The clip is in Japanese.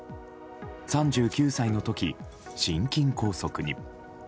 ３９歳の時、心筋梗塞に。